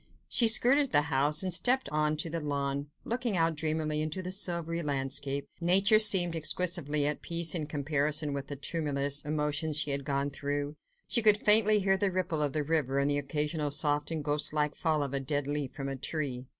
She skirted the house, and stepped on to the lawn, looking out dreamily into the silvery landscape. Nature seemed exquisitely at peace, in comparison with the tumultuous emotions she had gone through: she could faintly hear the ripple of the river and the occasional soft and ghostlike fall of a dead leaf from a tree.